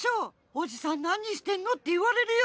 「おじさんなにしてんの？」っていわれるよ！